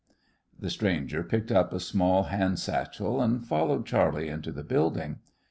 The stranger picked up a small hand satchel and followed Charley into the building.